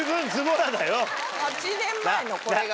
８年前のこれが。